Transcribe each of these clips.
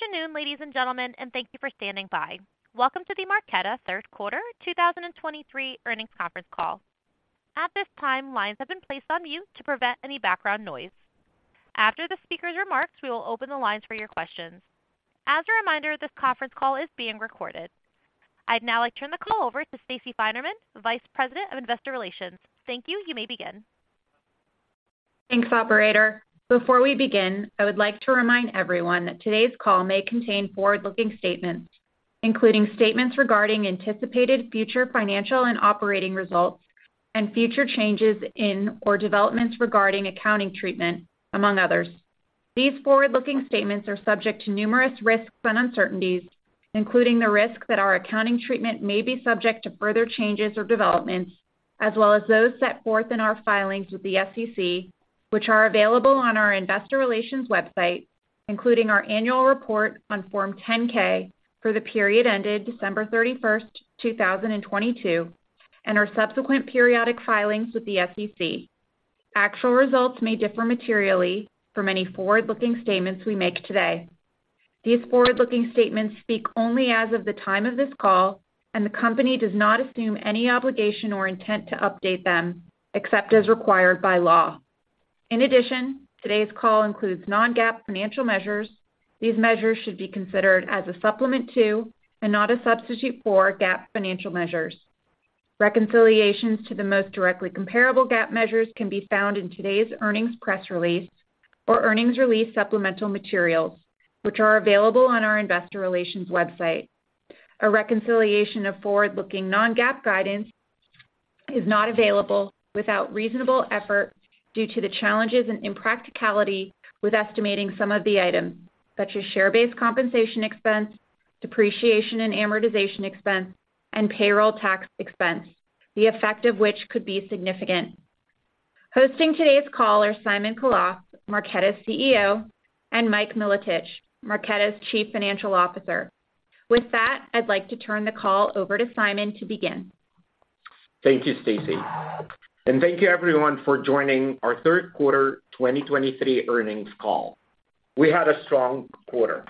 Good afternoon, ladies and gentlemen, and thank you for standing by. Welcome to the Q3 2023 Earnings Conference Call. At this time, lines have been placed on mute to prevent any background noise. After the speaker's remarks, we will open the lines for your questions. As a reminder, this conference call is being recorded. I'd now like to turn the call over to Stacey Finerman, Vice President of Investor Relations. Thank you. You may begin. Thanks, operator. Before we begin, I would like to remind everyone that today's call may contain forward-looking statements, including statements regarding anticipated future financial and operating results and future changes in, or developments regarding accounting treatment, among others. These forward-looking statements are subject to numerous risks and uncertainties, including the risk that our accounting treatment may be subject to further changes or developments, as well as those set forth in our filings with the SEC, which are available on our investor relations website, including our annual report on Form 10-K for the period ended December 31, 2022, and our subsequent periodic filings with the SEC. Actual results may differ materially from any forward-looking statements we make today. These forward-looking statements speak only as of the time of this call, and the Company does not assume any obligation or intent to update them, except as required by law. In addition, today's call includes non-GAAP financial measures. These measures should be considered as a supplement to and not a substitute for GAAP financial measures. Reconciliations to the most directly comparable GAAP measures can be found in today's earnings press release or earnings release supplemental materials, which are available on our investor relations website. A reconciliation of forward-looking non-GAAP guidance is not available without reasonable effort due to the challenges and impracticality with estimating some of the items, such as share-based compensation expense, depreciation and amortization expense, and payroll tax expense, the effect of which could be significant. Hosting today's call are Simon Khalaf, Marqeta's CEO, and Mike Milotich, Marqeta's Chief Financial Officer. With that, I'd like to turn the call over to Simon to begin. Thank you, Stacey, and thank you everyone for joining our Q3 2023 earnings call. We had a strong quarter.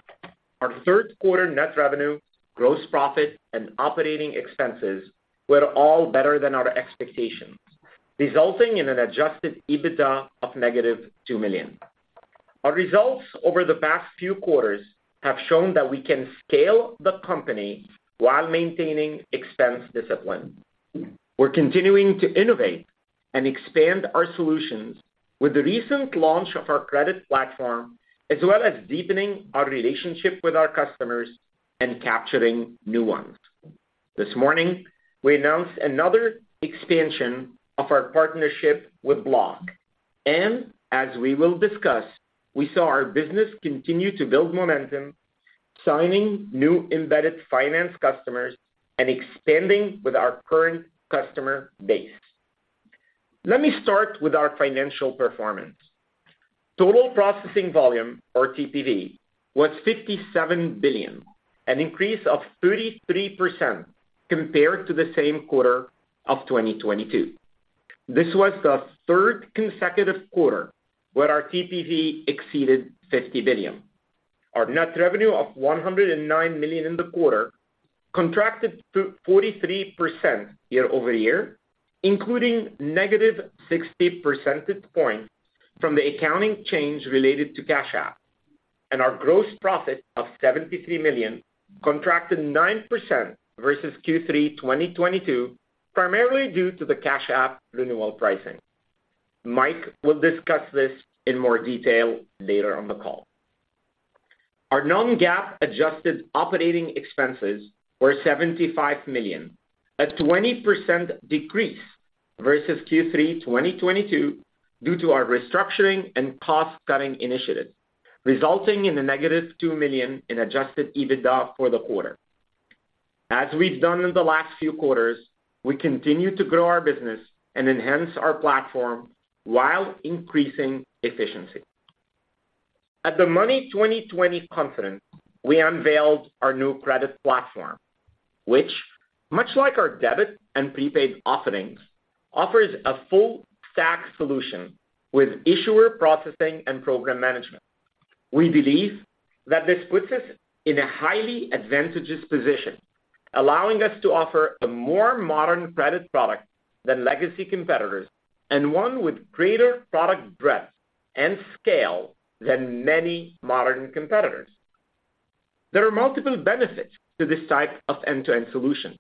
Our Q3 net revenue, gross profit and operating expenses were all better than our expectations, resulting in an adjusted EBITDA of -$2 million. Our results over the past few quarters have shown that we can scale the company while maintaining expense discipline. We're continuing to innovate and expand our solutions with the recent launch of our credit platform, as well as deepening our relationship with our customers and capturing new ones. This morning, we announced another expansion of our partnership with Block, and as we will discuss, we saw our business continue to build momentum, signing new embedded finance customers and expanding with our current customer base. Let me start with our financial performance. Total processing volume, or TPV, was $57 billion, an increase of 33% compared to the same quarter of 2022. This was the third consecutive quarter where our TPV exceeded $50 billion. Our net revenue of $109 million in the quarter contracted to 43% year-over-year, including -60 percentage points from the accounting change related to Cash App, and our gross profit of $73 million contracted 9% versus Q3 2022, primarily due to the Cash App renewal pricing. Mike will discuss this in more detail later on the call. Our non-GAAP adjusted operating expenses were $75 million, a 20% decrease versus Q3 2022 due to our restructuring and cost-cutting initiatives, resulting in -$2 million in adjusted EBITDA for the quarter. As we've done in the last few quarters, we continue to grow our business and enhance our platform while increasing efficiency. At the Money20/20 conference, we unveiled our new credit platform, which, much like our debit and prepaid offerings, offers a full stack solution with issuer processing and program management. We believe that this puts us in a highly advantageous position, allowing us to offer a more modern credit product than legacy competitors and one with greater product breadth and scale than many modern competitors. There are multiple benefits to this type of end-to-end solution.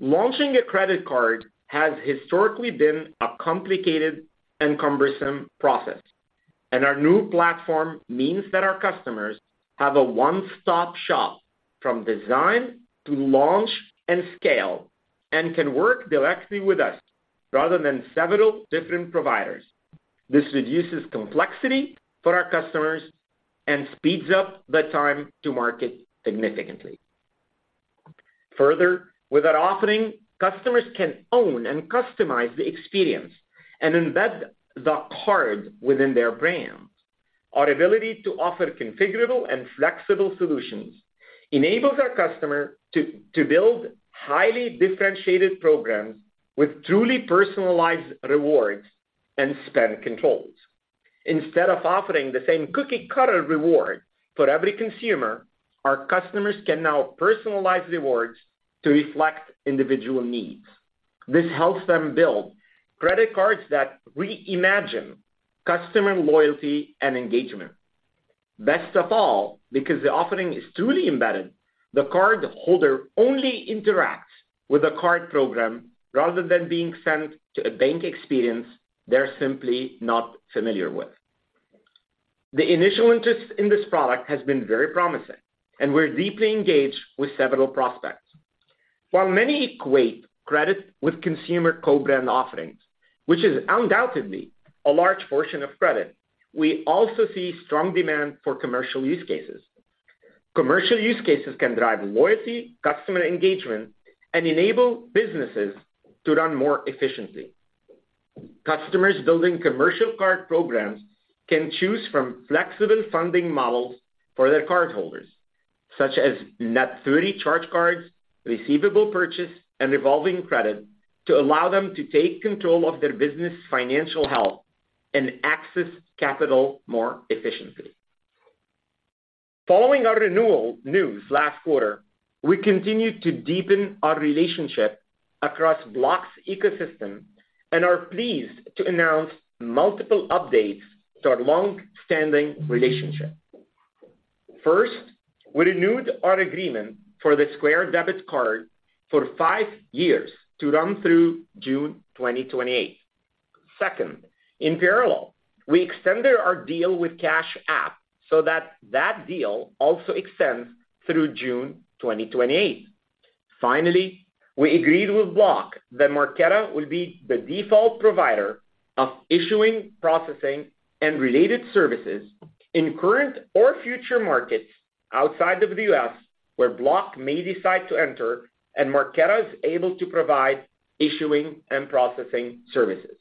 Launching a credit card has historically been a complicated and cumbersome process, and our new platform means that our customers have a one-stop shop from design to launch and scale, and can work directly with us rather than several different providers. This reduces complexity for our customers and speeds up the time to market significantly. Further, with our offering, customers can own and customize the experience and embed the card within their brand. Our ability to offer configurable and flexible solutions enables our customer to build highly differentiated programs with truly personalized rewards and spend controls. Instead of offering the same cookie-cutter reward for every consumer, our customers can now personalize rewards to reflect individual needs. This helps them build credit cards that reimagine customer loyalty and engagement. Best of all, because the offering is truly embedded, the card holder only interacts with a card program, rather than being sent to a bank experience they're simply not familiar with. The initial interest in this product has been very promising, and we're deeply engaged with several prospects. While many equate credit with consumer co-brand offerings, which is undoubtedly a large portion of credit, we also see strong demand for commercial use cases. Commercial use cases can drive loyalty, customer engagement, and enable businesses to run more efficiently. Customers building commercial card programs can choose from flexible funding models for their cardholders, such as Net 30 charge cards, receivable purchase, and revolving credit, to allow them to take control of their business' financial health and access capital more efficiently. Following our renewal news last quarter, we continued to deepen our relationship across Block's ecosystem and are pleased to announce multiple updates to our long-standing relationship. First, we renewed our agreement for the Square Debit Card for 5 years to run through June 2028. Second, in parallel, we extended our deal with Cash App so that that deal also extends through June 2028. Finally, we agreed with Block that Marqeta will be the default provider of issuing, processing, and related services in current or future markets outside of the U.S., where Block may decide to enter and Marqeta is able to provide issuing and processing services.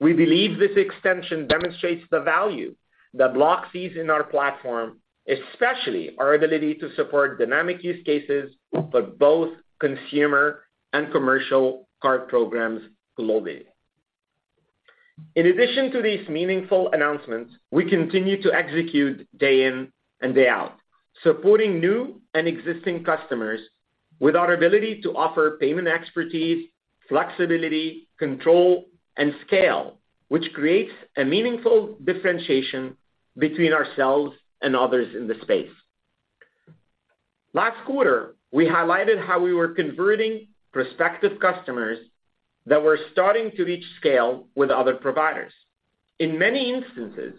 We believe this extension demonstrates the value that Block sees in our platform, especially our ability to support dynamic use cases for both consumer and commercial card programs globally. In addition to these meaningful announcements, we continue to execute day in and day out, supporting new and existing customers with our ability to offer payment expertise, flexibility, control, and scale, which creates a meaningful differentiation between ourselves and others in the space. Last quarter, we highlighted how we were converting prospective customers that were starting to reach scale with other providers. In many instances,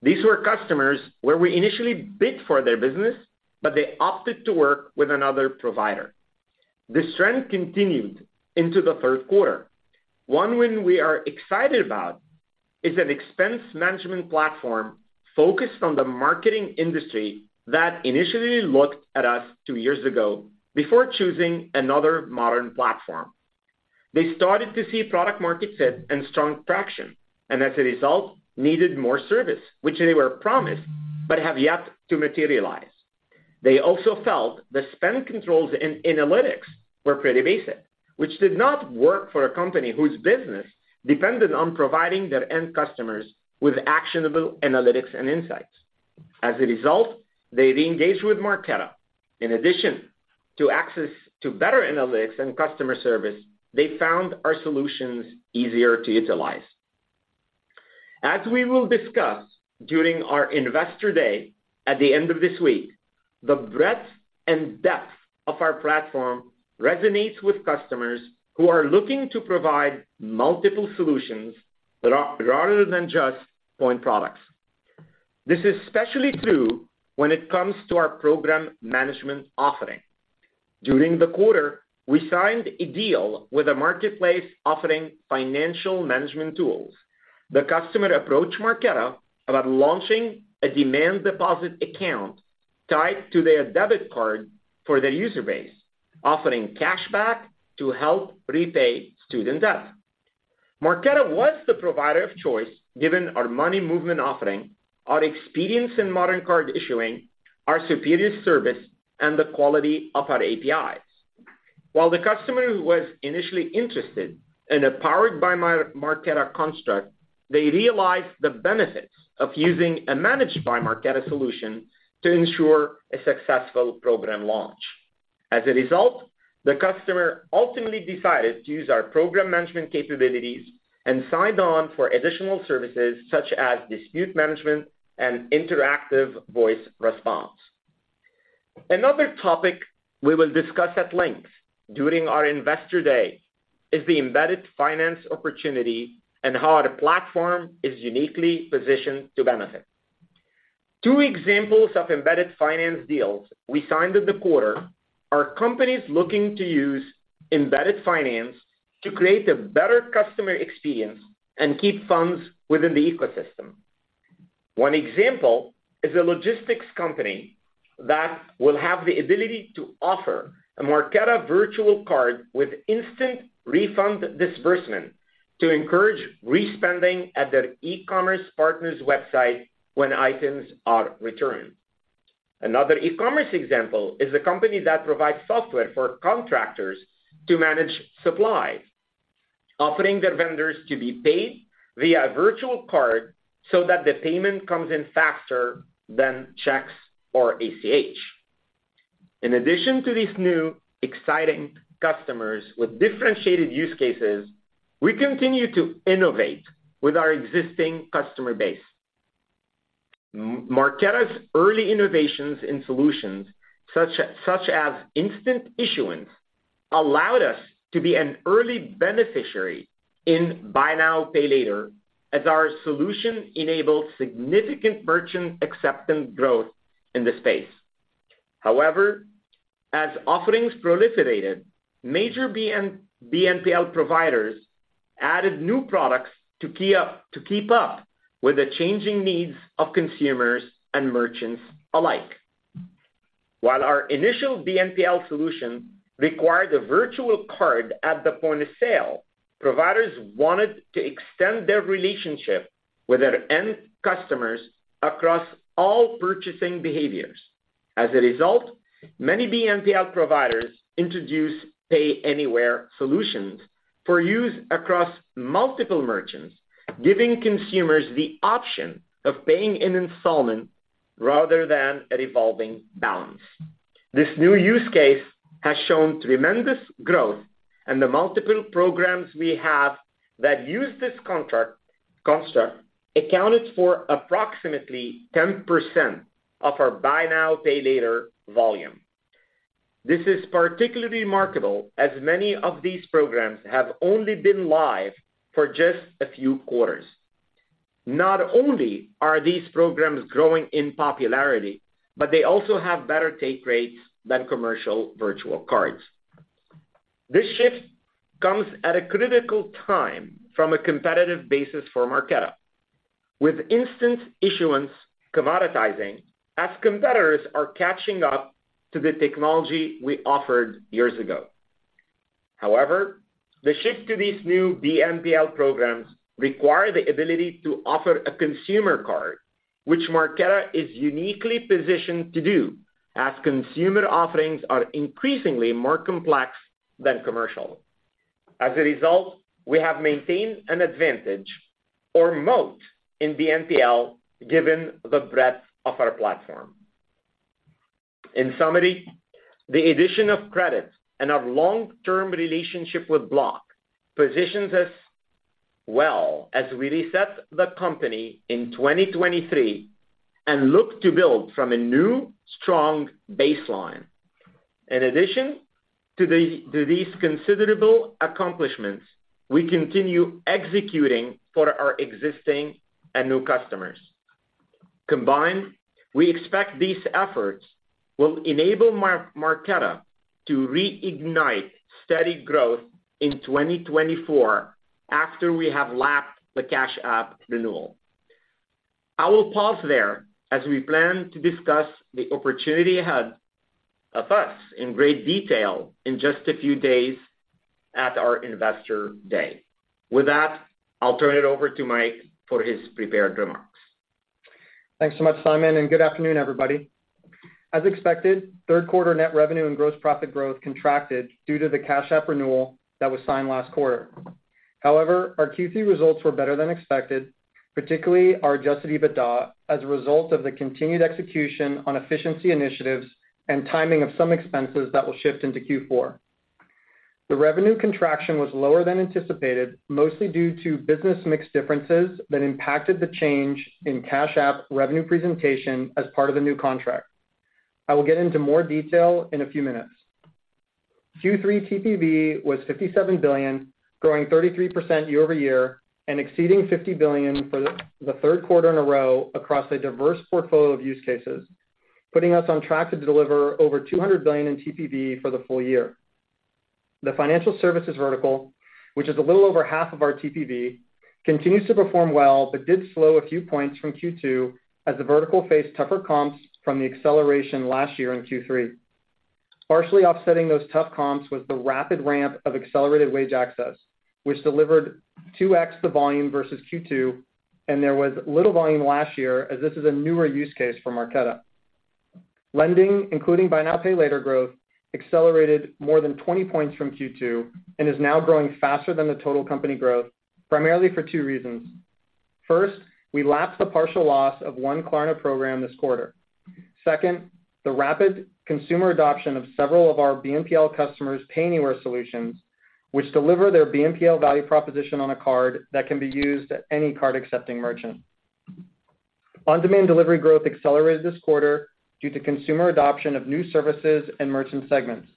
these were customers where we initially bid for their business, but they opted to work with another provider. This trend continued into the Q3. One win we are excited about is an expense management platform focused on the marketing industry that initially looked at us two years ago before choosing another modern platform. They started to see product market fit and strong traction, and as a result, needed more service, which they were promised, but have yet to materialize. They also felt the spend controls in analytics were pretty basic, which did not work for a company whose business depended on providing their end customers with actionable analytics and insights. As a result, they reengaged with Marqeta. In addition to access to better analytics and customer service, they found our solutions easier to utilize. As we will discuss during our Investor Day at the end of this week, the breadth and depth of our platform resonates with customers who are looking to provide multiple solutions rather than just point products. This is especially true when it comes to our program management offering. During the quarter, we signed a deal with a marketplace offering financial management tools. The customer approached Marqeta about launching a demand deposit account tied to their debit card for their user base, offering cashback to help repay student debt. Marqeta was the provider of choice, given our money movement offering, our experience in modern card issuing, our superior service, and the quality of our APIs. While the customer who was initially interested in a Powered by Marqeta construct, they realized the benefits of using a Managed by Marqeta solution to ensure a successful program launch. As a result, the customer ultimately decided to use our program management capabilities and signed on for additional services such as dispute management and interactive voice response. Another topic we will discuss at length during our Investor Day is the embedded finance opportunity and how our platform is uniquely positioned to benefit. Two examples of embedded finance deals we signed in the quarter are companies looking to use embedded finance to create a better customer experience and keep funds within the ecosystem. One example is a logistics company that will have the ability to offer a Marqeta virtual card with instant refund disbursement to encourage respending at their e-commerce partner's website when items are returned. Another e-commerce example is a company that provides software for contractors to manage supply, offering their vendors to be paid via a virtual card so that the payment comes in faster than checks or ACH. In addition to these new exciting customers with differentiated use cases, we continue to innovate with our existing customer base. Marqeta's early innovations and solutions, such as instant issuance, allowed us to be an early beneficiary in buy now, pay later, as our solution enabled significant merchant acceptance growth in the space. However, as offerings proliferated, major BNPL providers added new products to keep up with the changing needs of consumers and merchants alike. While our initial BNPL solution required a virtual card at the point of sale, providers wanted to extend their relationship with their end customers across all purchasing behaviors. As a result, many BNPL providers introduced Pay Anywhere solutions for use across multiple merchants, giving consumers the option of paying in installment rather than a revolving balance. This new use case has shown tremendous growth, and the multiple programs we have that use this contract construct accounted for approximately 10% of our buy now, pay later volume. This is particularly remarkable, as many of these programs have only been live for just a few quarters. Not only are these programs growing in popularity, but they also have better take rates than commercial virtual cards. This shift comes at a critical time from a competitive basis for Marqeta, with instant issuance commoditizing as competitors are catching up to the technology we offered years ago. However, the shift to these new BNPL programs require the ability to offer a consumer card, which Marqeta is uniquely positioned to do, as consumer offerings are increasingly more complex than commercial. As a result, we have maintained an advantage or moat in BNPL, given the breadth of our platform. In summary, the addition of credit and our long-term relationship with Block positions us well as we reset the company in 2023 and look to build from a new, strong baseline. In addition to these considerable accomplishments, we continue executing for our existing and new customers. Combined, we expect these efforts will enable Marqeta to reignite steady growth in 2024, after we have lapped the Cash App renewal. I will pause there as we plan to discuss the opportunity ahead of us in great detail in just a few days at our Investor Day. With that, I'll turn it over to Mike for his prepared remarks. Thanks so much, Simon, and good afternoon, everybody. As expected, Q3 net revenue and gross profit growth contracted due to the Cash App renewal that was signed last quarter. However, our Q3 results were better than expected, particularly our adjusted EBITDA, as a result of the continued execution on efficiency initiatives and timing of some expenses that will shift into Q4. The revenue contraction was lower than anticipated, mostly due to business mix differences that impacted the change in Cash App revenue presentation as part of the new contract. I will get into more detail in a few minutes. Q3 TPV was $57 billion, growing 33% year-over-year and exceeding $50 billion for the Q3 in a row across a diverse portfolio of use cases, putting us on track to deliver over $200 billion in TPV for the full year. The financial services vertical, which is a little over half of our TPV, continues to perform well, but did slow a few points from Q2 as the vertical faced tougher comps from the acceleration last year in Q3. Partially offsetting those tough comps was the rapid ramp of Accelerated Wage Access, which delivered 2x the volume versus Q2, and there was little volume last year as this is a newer use case for Marqeta. Lending, including buy now, pay later growth, accelerated more than 20 points from Q2 and is now growing faster than the total company growth, primarily for two reasons. First, we lapped the partial loss of one Klarna program this quarter. Second, the rapid consumer adoption of several of our BNPL customers' Pay Anywhere solutions, which deliver their BNPL value proposition on a card that can be used at any card-accepting merchant. On-demand delivery growth accelerated this quarter due to consumer adoption of new services and merchant segments.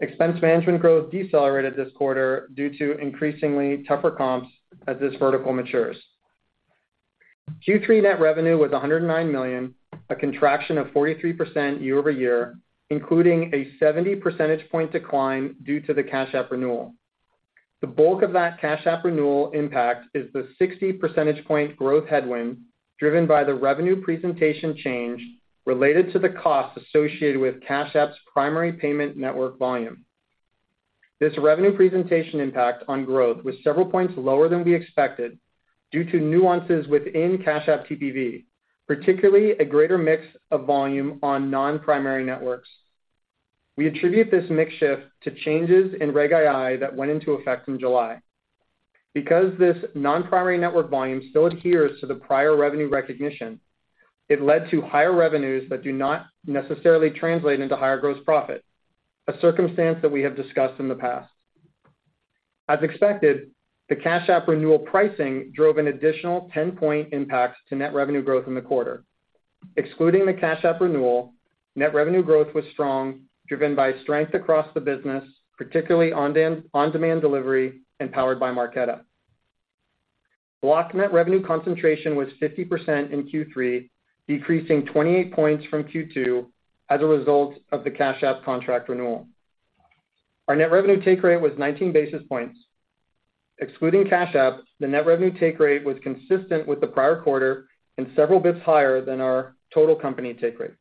Expense management growth decelerated this quarter due to increasingly tougher comps as this vertical matures. Q3 net revenue was $109 million, a contraction of 43% year-over-year, including a 70 percentage point decline due to the Cash App renewal. The bulk of that Cash App renewal impact is the 60 percentage point growth headwind driven by the revenue presentation change related to the costs associated with Cash App's primary payment network volume. This revenue presentation impact on growth was several points lower than we expected due to nuances within Cash App TPV, particularly a greater mix of volume on non-primary networks. We attribute this mix shift to changes in Reg II that went into effect in July. Because this non-primary network volume still adheres to the prior revenue recognition, it led to higher revenues that do not necessarily translate into higher gross profit, a circumstance that we have discussed in the past. As expected, the Cash App renewal pricing drove an additional 10-point impact to net revenue growth in the quarter. Excluding the Cash App renewal, net revenue growth was strong, driven by strength across the business, particularly on-demand delivery and Powered by Marqeta. Block net revenue concentration was 50% in Q3, decreasing 28 points from Q2 as a result of the Cash App contract renewal. Our net revenue take rate was 19 basis points. Excluding Cash App, the net revenue take rate was consistent with the prior quarter and several basis points higher than our total company take rate.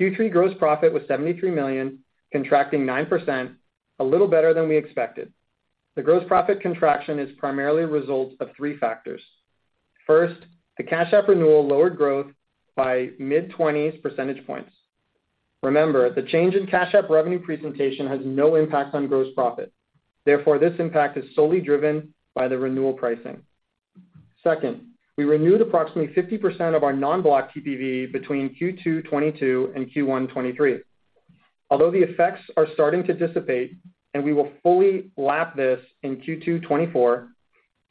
Q3 gross profit was $73 million, contracting 9%, a little better than we expected. The gross profit contraction is primarily a result of three factors. First, the Cash App renewal lowered growth by mid-20s percentage points. Remember, the change in Cash App revenue presentation has no impact on gross profit. Therefore, this impact is solely driven by the renewal pricing. Second, we renewed approximately 50% of our non-Block TPV between Q2 2022 and Q1 2023. Although the effects are starting to dissipate, and we will fully lap this in Q2 2024,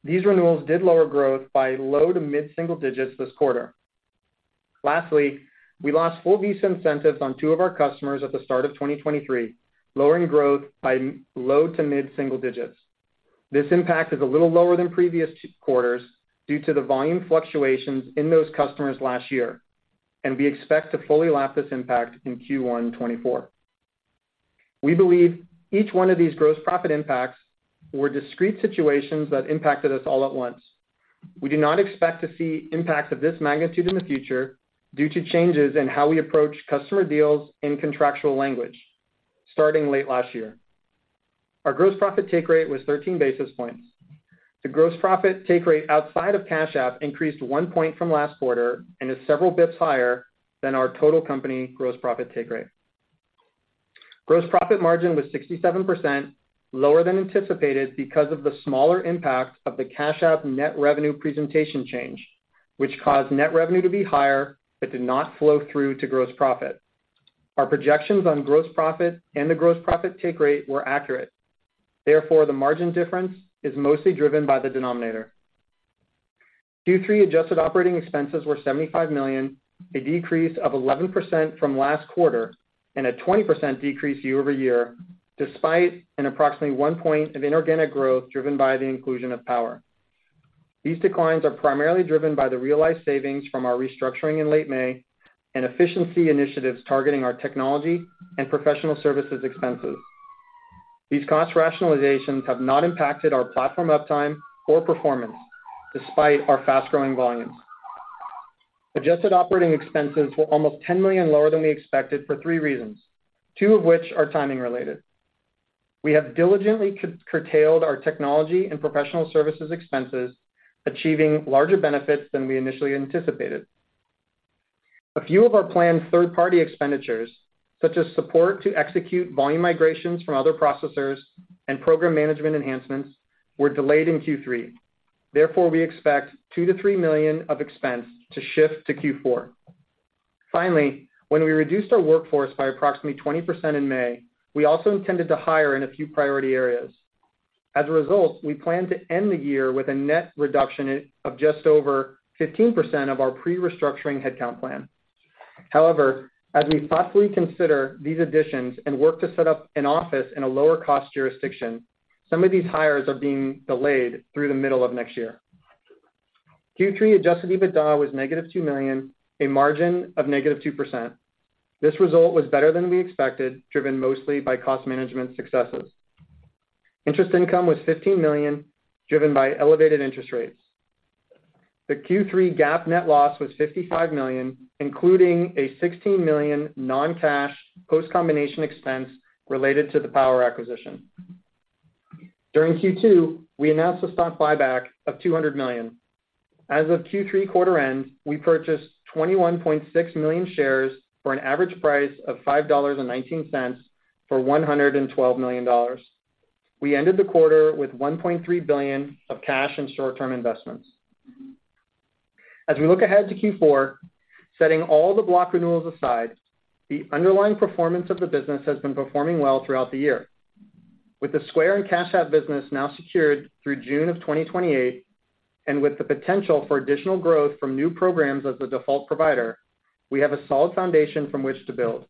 these renewals did lower growth by low- to mid-single digits this quarter. Lastly, we lost full Visa incentives on two of our customers at the start of 2023, lowering growth by low- to mid-single digits. This impact is a little lower than previous quarters due to the volume fluctuations in those customers last year, and we expect to fully lap this impact in Q1 2024. We believe each one of these gross profit impacts were discrete situations that impacted us all at once. We do not expect to see impacts of this magnitude in the future due to changes in how we approach customer deals in contractual language, starting late last year. Our gross profit take rate was 13 basis points. The gross profit take rate outside of Cash App increased 1 point from last quarter and is several basis points higher than our total company gross profit take rate. Gross profit margin was 67%, lower than anticipated because of the smaller impact of the Cash App net revenue presentation change, which caused net revenue to be higher but did not flow through to gross profit. Our projections on gross profit and the gross profit take rate were accurate. Therefore, the margin difference is mostly driven by the denominator. Q3 adjusted operating expenses were $75 million, a decrease of 11% from last quarter and a 20% decrease year-over-year, despite an approximately 1 point of inorganic growth driven by the inclusion of Power. These declines are primarily driven by the realized savings from our restructuring in late May and efficiency initiatives targeting our technology and professional services expenses. These cost rationalizations have not impacted our platform uptime or performance, despite our fast-growing volumes. Adjusted operating expenses were almost $10 million lower than we expected for three reasons, two of which are timing-related. We have diligently curtailed our technology and professional services expenses, achieving larger benefits than we initially anticipated. A few of our planned third-party expenditures, such as support to execute volume migrations from other processors and program management enhancements, were delayed in Q3. Therefore, we expect $2 million-$3 million of expense to shift to Q4. Finally, when we reduced our workforce by approximately 20% in May, we also intended to hire in a few priority areas. As a result, we plan to end the year with a net reduction of just over 15% of our pre-restructuring headcount plan. However, as we thoughtfully consider these additions and work to set up an office in a lower-cost jurisdiction, some of these hires are being delayed through the middle of next year. Q3 adjusted EBITDA was -$2 million, a margin of -2%. This result was better than we expected, driven mostly by cost management successes. Interest income was $15 million, driven by elevated interest rates. The Q3 GAAP net loss was $55 million, including a $16 million non-cash post-combination expense related to the Power acquisition. During Q2, we announced a stock buyback of $200 million. As of Q3 quarter end, we purchased 21.6 million shares for an average price of $5.19 for $112 million. We ended the quarter with $1.3 billion of cash and short-term investments. As we look ahead to Q4, setting all the Block renewals aside, the underlying performance of the business has been performing well throughout the year. With the Square and Cash App business now secured through June 2028, and with the potential for additional growth from new programs as the default provider, we have a solid foundation from which to build.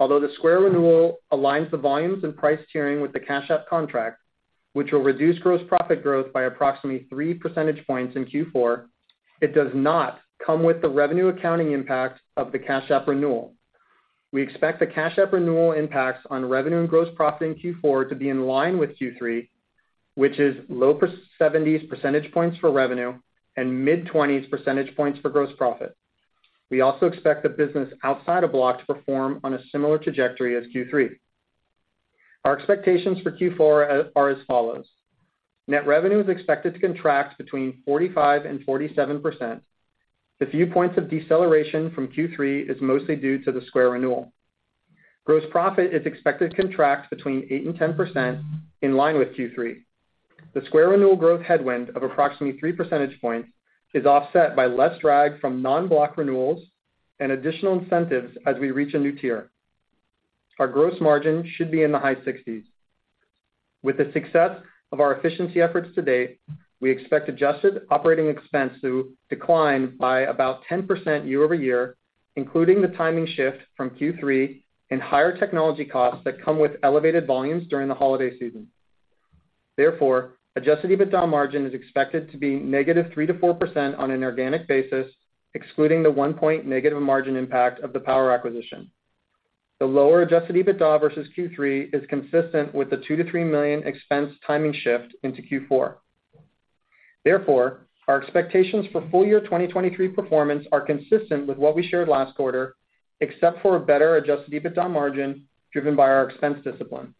Although the Square renewal aligns the volumes and price tiering with the Cash App contract, which will reduce gross profit growth by approximately 3 percentage points in Q4, it does not come with the revenue accounting impact of the Cash App renewal. We expect the Cash App renewal impacts on revenue and gross profit in Q4 to be in line with Q3, which is low 40s percentage points for revenue and mid-20s percentage points for gross profit. We also expect the business outside of Block to perform on a similar trajectory as Q3. Our expectations for Q4 are as follows: Net revenue is expected to contract between 45% and 47%. The few points of deceleration from Q3 is mostly due to the Square renewal. Gross profit is expected to contract between 8% and 10% in line with Q3. The Square renewal growth headwind of approximately three percentage points is offset by less drag from non-Block renewals and additional incentives as we reach a new tier. Our gross margin should be in the high sixties. With the success of our efficiency efforts to date, we expect adjusted operating expense to decline by about 10% year-over-year, including the timing shift from Q3 and higher technology costs that come with elevated volumes during the holiday season. Therefore, adjusted EBITDA margin is expected to be negative 3%-4% on an organic basis, excluding the one point negative margin impact of the Power acquisition. The lower adjusted EBITDA versus Q3 is consistent with the $2 million-$3 million expense timing shift into Q4. Therefore, our expectations for full year 2023 performance are consistent with what we shared last quarter, except for a better Adjusted EBITDA margin driven by our expense discipline.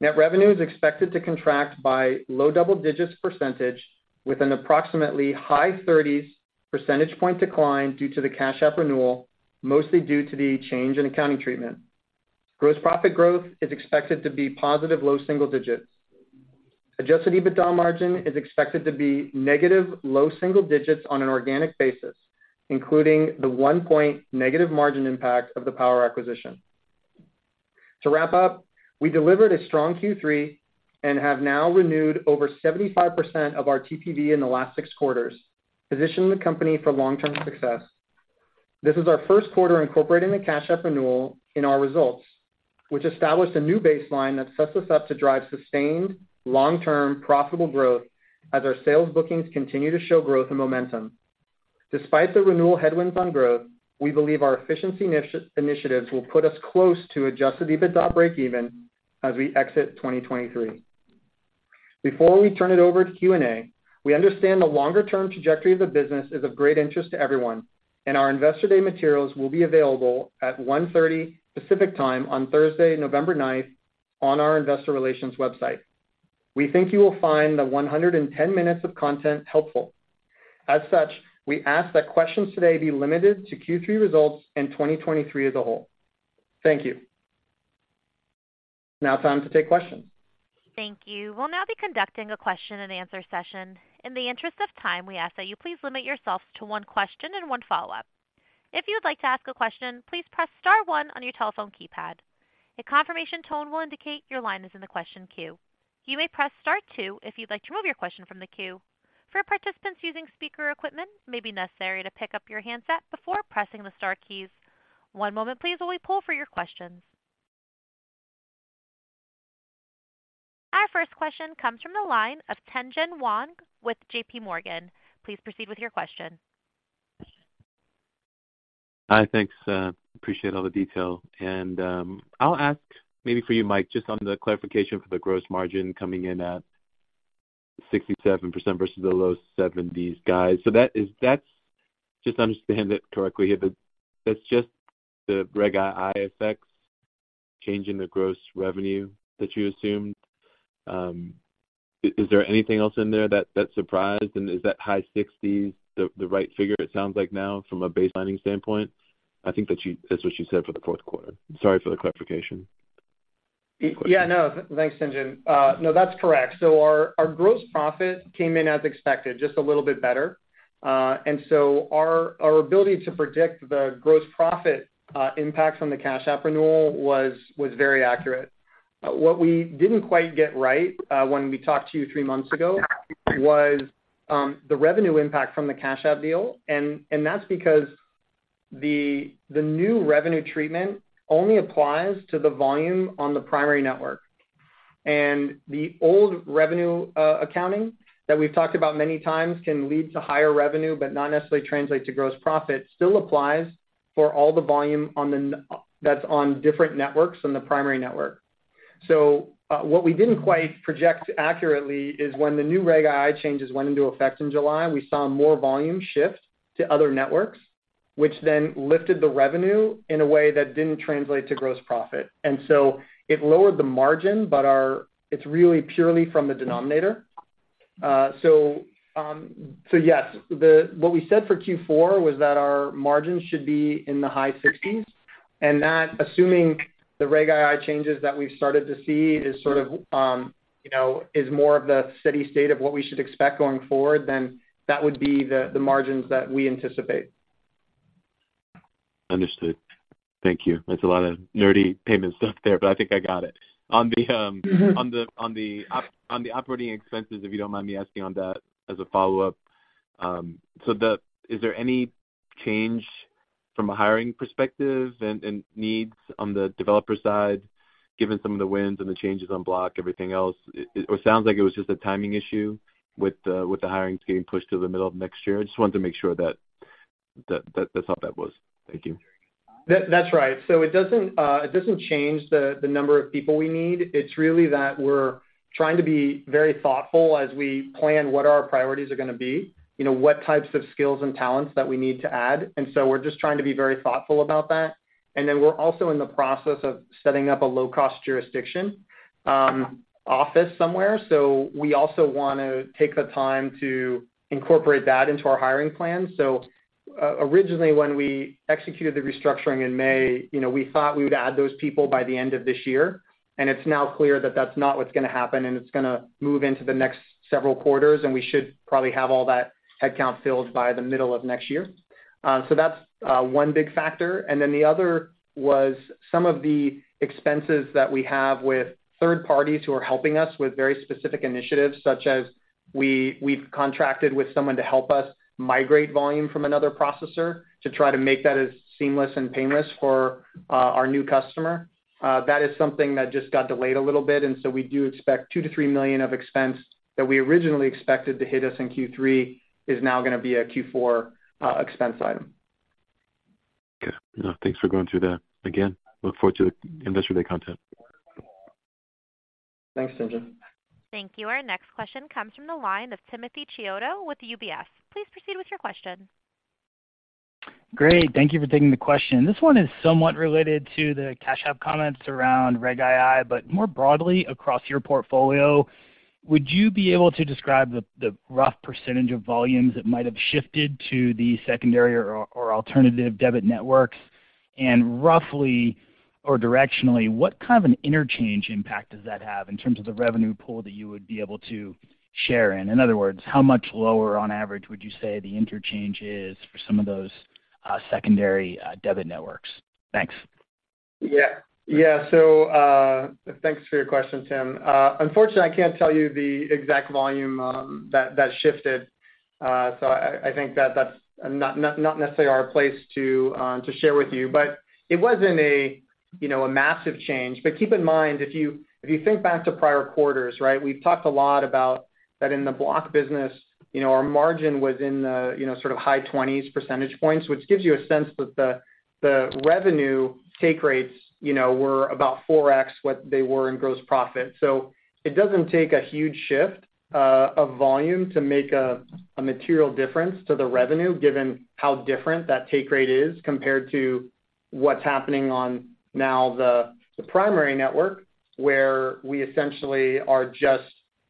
Net revenue is expected to contract by low double digits %, with an approximately high thirties percentage point decline due to the Cash App renewal, mostly due to the change in accounting treatment. Gross profit growth is expected to be positive low single digits. Adjusted EBITDA margin is expected to be negative low single digits on an organic basis, including the 1-point negative margin impact of the Power acquisition. To wrap up, we delivered a strong Q3 and have now renewed over 75% of our TPV in the last six quarters, positioning the company for long-term success. This is our Q1 incorporating the Cash App renewal in our results, which established a new baseline that sets us up to drive sustained, long-term, profitable growth as our sales bookings continue to show growth and momentum. Despite the renewal headwinds on growth, we believe our efficiency initiatives will put us close to Adjusted EBITDA breakeven as we exit 2023. Before we turn it over to Q&A, we understand the longer-term trajectory of the business is of great interest to everyone, and our Investor Day materials will be available at 1:30 P.M. Pacific Time on Thursday, November ninth, on our investor relations website. We think you will find the 110 minutes of content helpful. As such, we ask that questions today be limited to Q3 results and 2023 as a whole. Thank you. Now time to take questions. Thank you. We'll now be conducting a question-and-answer session. In the interest of time, we ask that you please limit yourselves to one question and one follow-up. If you would like to ask a question, please press star one on your telephone keypad. A confirmation tone will indicate your line is in the question queue. You may press star two if you'd like to remove your question from the queue. For participants using speaker equipment, it may be necessary to pick up your handset before pressing the star keys. One moment please, while we pull for your questions. Our first question comes from the line of Tien-Tsin Huang with JP Morgan. Please proceed with your question. Hi, thanks, appreciate all the detail. I'll ask maybe for you, Mike, just on the clarification for the gross margin coming in at 67% versus the low 70s, guys. So that's just to understand it correctly here, but that's just the Reg II effects change in the gross revenue that you assumed. Is there anything else in there that surprised? And is that high 60s the right figure it sounds like now from a baselining standpoint? I think that's what you said for the Q4. Sorry for the clarification. Yeah, no. Thanks, Tien-Tsin. No, that's correct. So our gross profit came in as expected, just a little bit better. And so our ability to predict the gross profit impact from the Cash App renewal was very accurate. What we didn't quite get right when we talked to you three months ago was the revenue impact from the Cash App deal, and that's because the new revenue treatment only applies to the volume on the primary network. And the old revenue accounting that we've talked about many times can lead to higher revenue, but not necessarily translate to gross profit, still applies for all the volume on the n- that's on different networks than the primary network. So, what we didn't quite project accurately is when the new Reg II changes went into effect in July, we saw more volume shift to other networks, which then lifted the revenue in a way that didn't translate to gross profit. And so it lowered the margin, but our—it's really purely from the denominator. So, yes, what we said for Q4 was that our margins should be in the high 60s%, and that assuming the Reg II changes that we've started to see is sort of, you know, is more of the steady state of what we should expect going forward, then that would be the margins that we anticipate. Understood. Thank you. That's a lot of nerdy payment stuff there, but I think I got it. On the operating expenses, if you don't mind me asking on that as a follow-up. So, is there any change from a hiring perspective and needs on the developer side?... given some of the wins and the changes on Block, everything else, it sounds like it was just a timing issue with the hirings getting pushed to the middle of next year. I just wanted to make sure that that's how that was. Thank you. That's right. So it doesn't, it doesn't change the, the number of people we need. It's really that we're trying to be very thoughtful as we plan what our priorities are gonna be, you know, what types of skills and talents that we need to add, and so we're just trying to be very thoughtful about that. And then we're also in the process of setting up a low-cost jurisdiction, office somewhere. So we also want to take the time to incorporate that into our hiring plan. So, originally, when we executed the restructuring in May, you know, we thought we would add those people by the end of this year, and it's now clear that that's not what's gonna happen, and it's gonna move into the next several quarters, and we should probably have all that headcount filled by the middle of next year. So that's one big factor. And then the other was some of the expenses that we have with third parties who are helping us with very specific initiatives, such as we've contracted with someone to help us migrate volume from another processor to try to make that as seamless and painless for our new customer. That is something that just got delayed a little bit, and so we do expect $2 million-$3 million of expense that we originally expected to hit us in Q3, is now gonna be a Q4 expense item. Okay. Thanks for going through that. Again, look forward to the Investor Day content. Thanks, Tien-Tsin. Thank you. Our next question comes from the line of Timothy Chiodo with UBS. Please proceed with your question. Great. Thank you for taking the question. This one is somewhat related to the Cash App comments around Reg II, but more broadly across your portfolio, would you be able to describe the, the rough percentage of volumes that might have shifted to the secondary or, or alternative debit networks? And roughly or directionally, what kind of an interchange impact does that have in terms of the revenue pool that you would be able to share in? In other words, how much lower on average would you say the interchange is for some of those, secondary, debit networks? Thanks. Yeah. Yeah. So, thanks for your question, Tim. Unfortunately, I can't tell you the exact volume that shifted. So I think that's not necessarily our place to share with you, but it wasn't a, you know, a massive change. But keep in mind, if you think back to prior quarters, right, we've talked a lot about that in the Block business, you know, our margin was in the, you know, sort of high twenties percentage points, which gives you a sense that the revenue take rates, you know, were about 4x what they were in gross profit. So it doesn't take a huge shift of volume to make a material difference to the revenue, given how different that take rate is compared to what's happening on now the primary network, where we essentially are just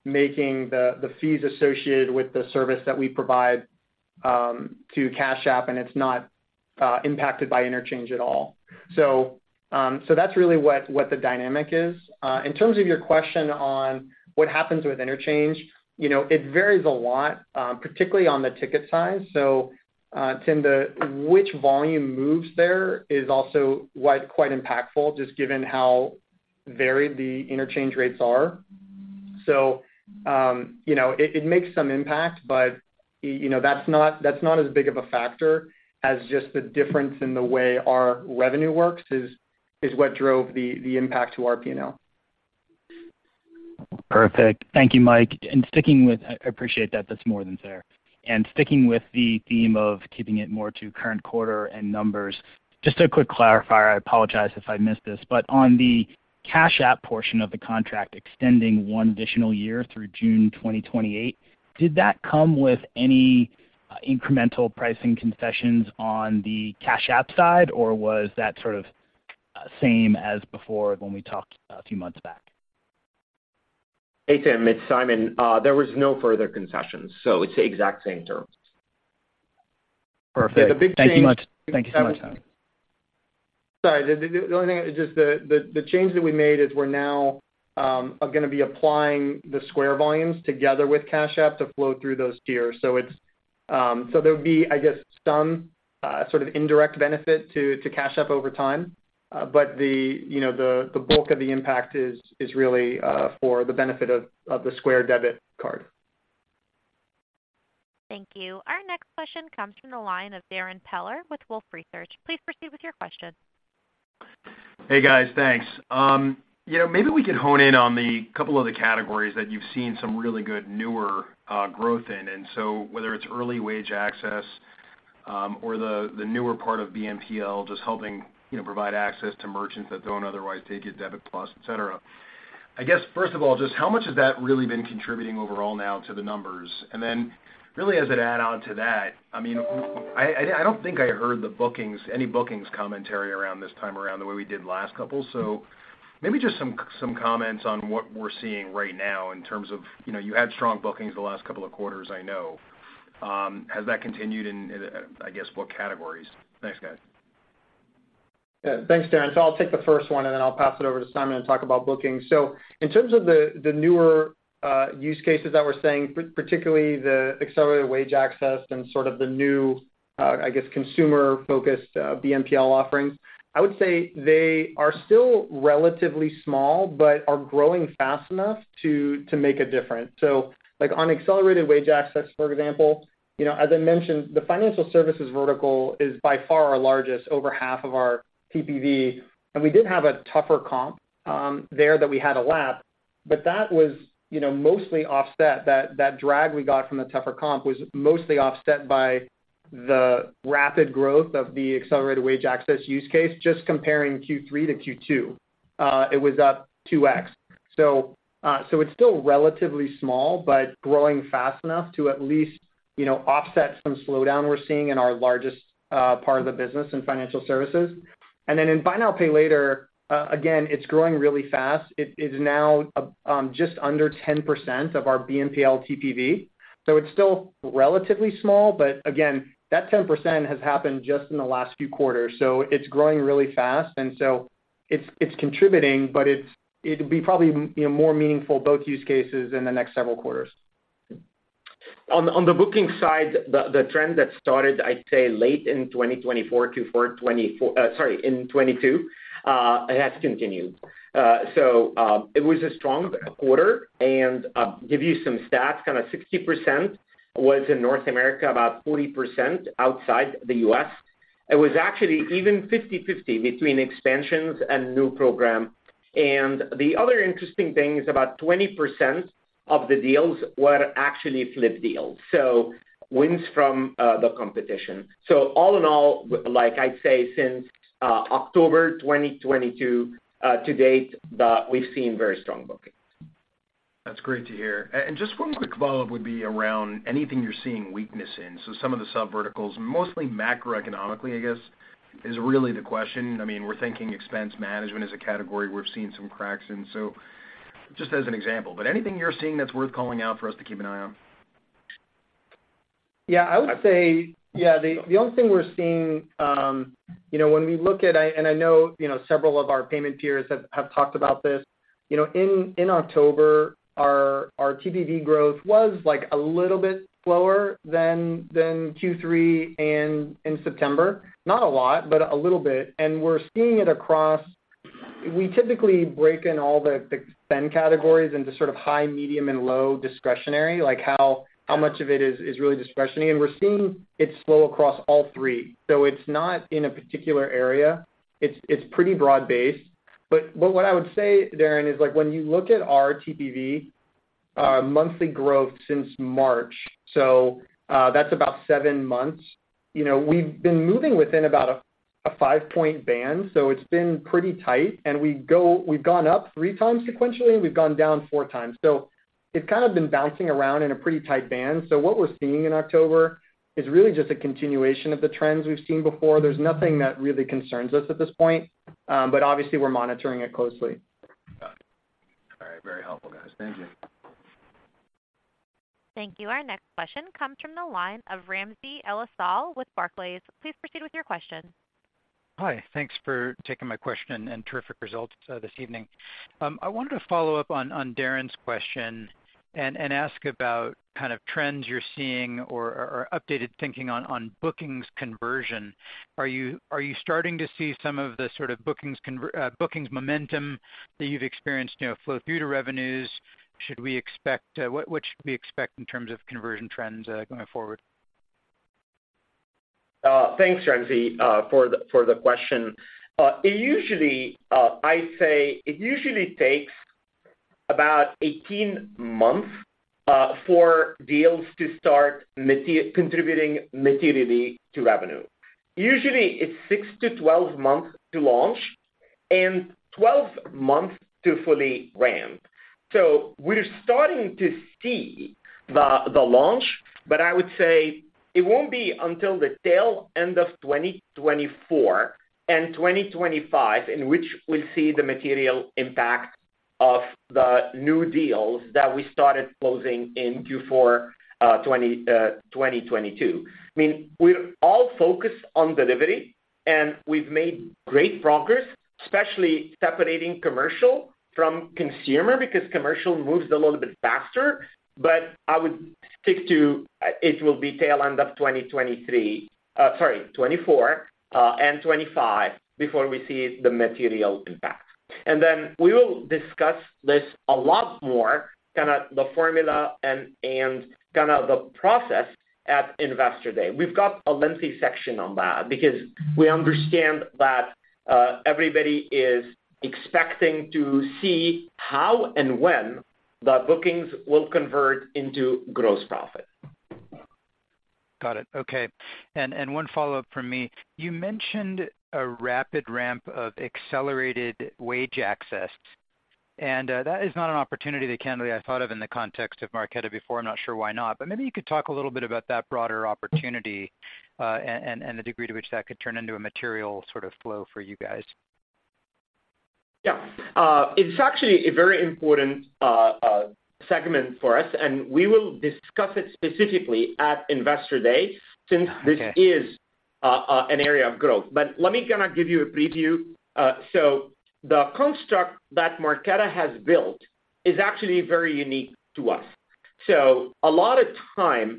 making the fees associated with the service that we provide to Cash App, and it's not impacted by interchange at all. So that's really what the dynamic is. In terms of your question on what happens with interchange, you know, it varies a lot, particularly on the ticket size. So, Tim, which volume moves there is also quite impactful, just given how varied the interchange rates are. So, you know, it makes some impact, but, you know, that's not as big of a factor as just the difference in the way our revenue works is what drove the impact to our P&L. Perfect. Thank you, Mike. And sticking with... I appreciate that, that's more than fair. And sticking with the theme of keeping it more to current quarter and numbers, just a quick clarifier, I apologize if I missed this, but on the Cash App portion of the contract extending one additional year through June 2028, did that come with any, incremental pricing concessions on the Cash App side, or was that sort of same as before when we talked a few months back? Hey, Tim, it's Simon. There was no further concessions, so it's the exact same terms. Perfect. The big change- Thank you much. Thank you so much. Sorry, the only thing is just the change that we made is we're now gonna be applying the Square volumes together with Cash App to flow through those tiers. So there would be, I guess, some sort of indirect benefit to Cash App over time, but you know, the bulk of the impact is really for the benefit of the Square Debit Card. Thank you. Our next question comes from the line of Darrin Peller with Wolfe Research. Please proceed with your question. Hey, guys, thanks. You know, maybe we could hone in on the couple other categories that you've seen some really good newer growth in. And so whether it's early wage access, or the newer part of BNPL, just helping, you know, provide access to merchants that don't otherwise take your Debit+ et cetera. I guess, first of all, just how much has that really been contributing overall now to the numbers? And then really, as an add-on to that, I mean, I don't think I heard the bookings, any bookings commentary around this time around the way we did last couple. So maybe just some comments on what we're seeing right now in terms of, you know, you had strong bookings the last couple of quarters, I know. Has that continued and I guess, what categories? Thanks, guys. Yeah. Thanks, Darrin. So I'll take the first one, and then I'll pass it over to Simon to talk about bookings. So in terms of the newer use cases that we're seeing, particularly the accelerated wage access and sort of the new, I guess, consumer-focused BNPL offerings, I would say they are still relatively small, but are growing fast enough to make a difference. So, like, on accelerated wage access, for example, you know, as I mentioned, the financial services vertical is by far our largest, over half of our TPV, and we did have a tougher comp there that we had lapped. But that was, you know, mostly offset. That drag we got from the tougher comp was mostly offset by the rapid growth of the accelerated wage access use case, just comparing Q3 to Q2, it was up 2x. So, so it's still relatively small, but growing fast enough to at least, you know, offset some slowdown we're seeing in our largest part of the business in financial services. And then in buy now, pay later, again, it's growing really fast. It is now just under 10% of our BNPL TPV. So it's still relatively small, but again, that 10% has happened just in the last few quarters, so it's growing really fast, and so it's, it's contributing, but it's, it'll be probably, you know, more meaningful, both use cases, in the next several quarters. On the booking side, the trend that started, I'd say, late in 2024—sorry, in 2022, it has continued. So, it was a strong quarter, and I'll give you some stats. Kinda 60% was in North America, about 40% outside the U.S. It was actually even 50/50 between expansions and new program. And the other interesting thing is, about 20% of the deals were actually flip deals, so wins from the competition. So all in all, like, I'd say since October 2022 to date, we've seen very strong bookings. That's great to hear. Just one quick follow-up would be around anything you're seeing weakness in. Some of the sub verticals, mostly macroeconomically, I guess, is really the question. I mean, we're thinking expense management is a category we've seen some cracks in. Just as an example, but anything you're seeing that's worth calling out for us to keep an eye on? Yeah, I would say, yeah, the only thing we're seeing, you know, when we look at, and I know, you know, several of our payment peers have talked about this. You know, in October, our TPV growth was, like, a little bit slower than Q3 and in September. Not a lot, but a little bit. And we're seeing it across, we typically break in all the spend categories into sort of high, medium, and low discretionary, like how much of it is really discretionary, and we're seeing it slow across all three. So it's not in a particular area. It's pretty broad-based. But, but what I would say, Darrin, is like when you look at our TPV, monthly growth since March, so, that's about 7 months, you know, we've been moving within about a, a 5-point band, so it's been pretty tight. And we've gone up 3 times sequentially, and we've gone down 4 times. So it's kind of been bouncing around in a pretty tight band. So what we're seeing in October is really just a continuation of the trends we've seen before. There's nothing that really concerns us at this point, but obviously we're monitoring it closely. Got it. All right. Very helpful, guys. Thank you. Thank you. Our next question comes from the line of Ramsey El-Assal with Barclays. Please proceed with your question. Hi, thanks for taking my question, and terrific results this evening. I wanted to follow up on Darrin's question and ask about kind of trends you're seeing or updated thinking on bookings conversion. Are you starting to see some of the sort of bookings momentum that you've experienced, you know, flow through to revenues? Should we expect... What should we expect in terms of conversion trends going forward? Thanks, Ramsey, for the question. It usually, I'd say it usually takes about 18 months for deals to start contributing materially to revenue. Usually, it's 6-12 months to launch and 12 months to fully ramp. So we're starting to see the launch, but I would say it won't be until the tail end of 2024 and 2025, in which we'll see the material impact of the new deals that we started closing in Q4 2022. I mean, we're all focused on delivery, and we've made great progress, especially separating commercial from consumer, because commercial moves a little bit faster. But I would stick to, it will be tail end of 2023, sorry, 2024, and 2025 before we see the material impact. And then we will discuss this a lot more, kinda the formula and, and kinda the process at Investor Day. We've got a lengthy section on that because we understand that everybody is expecting to see how and when the bookings will convert into gross profit. Got it. Okay. And one follow-up from me: You mentioned a rapid ramp of accelerated wage access, and that is not an opportunity that candidly I thought of in the context of Marqeta before. I'm not sure why not, but maybe you could talk a little bit about that broader opportunity, and the degree to which that could turn into a material sort of flow for you guys. Yeah, it's actually a very important segment for us, and we will discuss it specifically at Investor Day- Okay. Since this is an area of growth. But let me kinda give you a preview. So the construct that Marqeta has built is actually very unique to us. So a lot of time,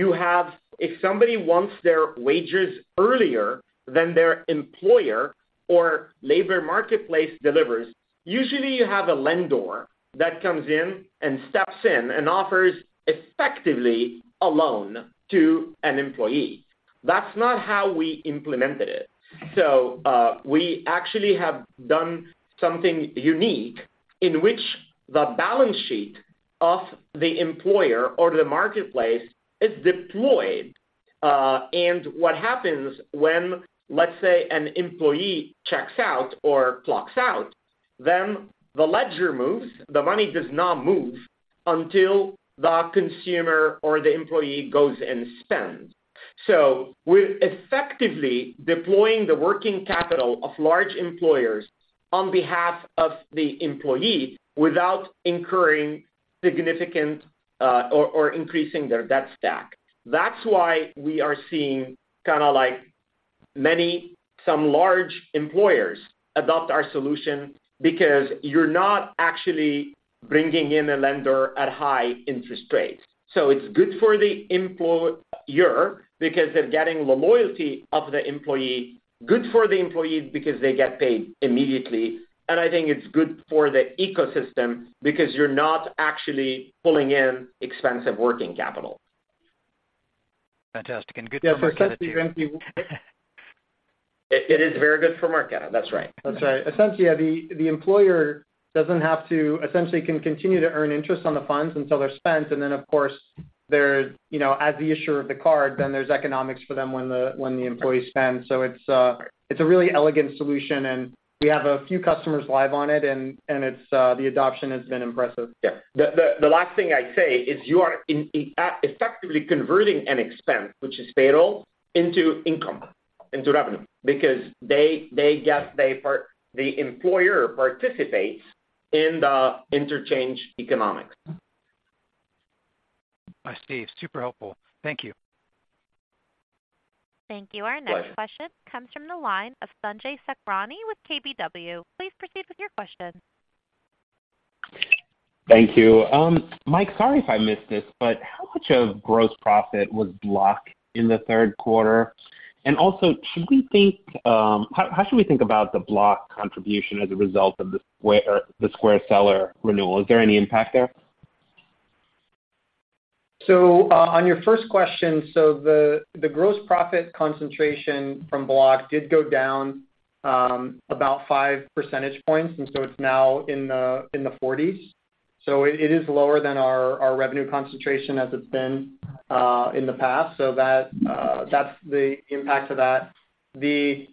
you have if somebody wants their wages earlier than their employer or labor marketplace delivers, usually you have a lender that comes in and steps in and offers effectively a loan to an employee. That's not how we implemented it. So we actually have done something unique in which the balance sheet of the employer or the marketplace is deployed. And what happens when, let's say, an employee checks out or clocks out, then the ledger moves. The money does not move until the consumer or the employee goes and spends. So we're effectively deploying the working capital of large employers on behalf of the employee without incurring significant or increasing their debt stack. That's why we are seeing some large employers adopt our solution because you're not actually bringing in a lender at high interest rates. So it's good for the employer, because they're getting the loyalty of the employee, good for the employees because they get paid immediately, and I think it's good for the ecosystem because you're not actually pulling in expensive working capital. Fantastic, and good for Marqeta too. It is very good for Marqeta. That's right. That's right. Essentially, the employer doesn't have to, essentially, can continue to earn interest on the funds until they're spent. And then, of course, there, you know, as the issuer of the card, then there's economics for them when the employee spends. So it's a really elegant solution, and we have a few customers live on it, and it's, the adoption has been impressive. Yeah. The last thing I'd say is you are effectively converting an expense, which is payroll, into income, into revenue, because the employer participates in the interchange economics. I see. Super helpful. Thank you. Thank you. Pleasure. Our next question comes from the line of Sanjay Sakhrani with KBW. Please proceed with your question. Thank you. Mike, sorry if I missed this, but how much of gross profit was Block in the Q3? And also, should we think... How, how should we think about the Block contribution as a result of the Square, the Square seller renewal? Is there any impact there? So, on your first question, so the gross profit concentration from Block did go down, about 5 percentage points, and so it's now in the forties. So it is lower than our revenue concentration as it's been in the past. So that's the impact of that. The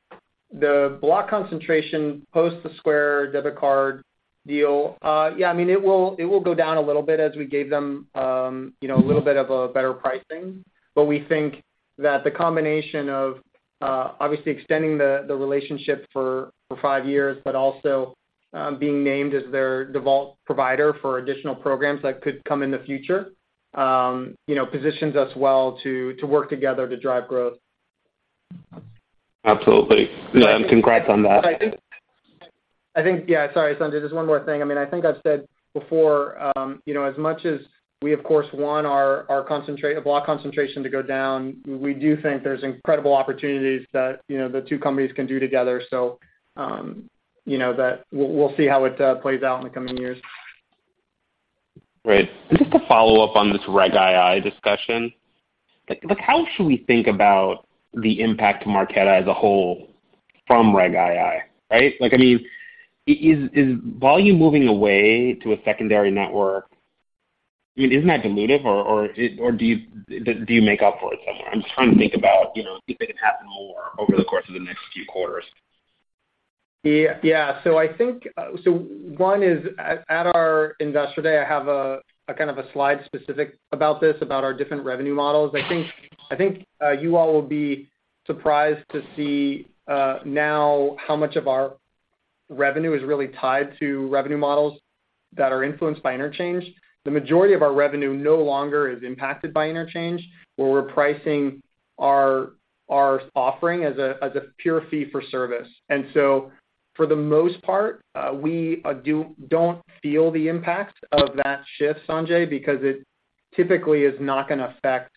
Block concentration post the Square Debit Card deal, yeah, I mean, it will go down a little bit as we gave them, you know, a little bit of a better pricing. But we think that the combination of, obviously extending the relationship for 5 years, but also, being named as their default provider for additional programs that could come in the future, you know, positions us well to work together to drive growth. Absolutely. Yeah, and congrats on that. I think, yeah, sorry, Sanjay, just one more thing. I mean, I think I've said before, you know, as much as we, of course, want our concentration, the Block concentration to go down, we do think there's incredible opportunities that, you know, the two companies can do together. So, you know, we'll see how it plays out in the coming years. Great. Just to follow up on this Reg II discussion, like how should we think about the impact to Marqeta as a whole from Reg II, right? Like, I mean, is volume moving away to a secondary network? I mean, isn't that dilutive, or do you make up for it somewhere? I'm just trying to think about, you know, if it could happen more over the course of the next few quarters. Yeah, yeah. So I think so one is at our investor day, I have a kind of a slide specific about this, about our different revenue models. I think you all will be surprised to see now how much of our revenue is really tied to revenue models that are influenced by interchange. The majority of our revenue no longer is impacted by interchange, where we're pricing our offering as a pure fee for service. And so for the most part, we don't feel the impact of that shift, Sanjay, because it typically is not going to affect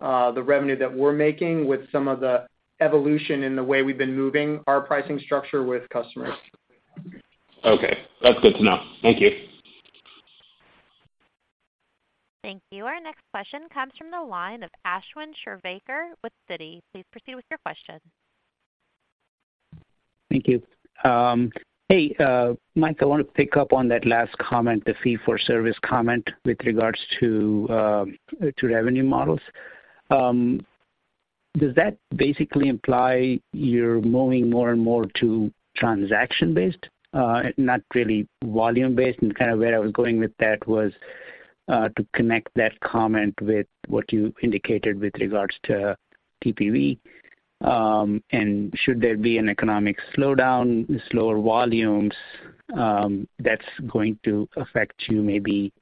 the revenue that we're making with some of the evolution in the way we've been moving our pricing structure with customers. Okay. That's good to know. Thank you. Thank you. Our next question comes from the line of Ashwin Shirvaikar with Citi. Please proceed with your question. Thank you. Hey, Mike, I want to pick up on that last comment, the fee for service comment, with regards to, to revenue models. Does that basically imply you're moving more and more to transaction-based, not really volume-based? And kind of where I was going with that was, to connect that comment with what you indicated with regards to TPV. And should there be an economic slowdown, slower volumes, that's going to affect you maybe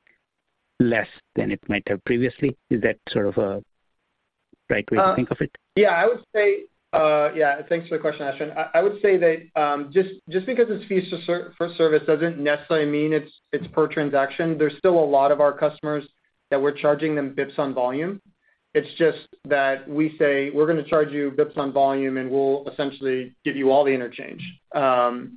less than it might have previously? Is that sort of a right way to think of it? Yeah, thanks for the question, Ashwin. I would say that just because it's fee-for-service doesn't necessarily mean it's per transaction. There's still a lot of our customers that we're charging them bps on volume. It's just that we say, "We're going to charge you bps on volume, and we'll essentially give you all the interchange." And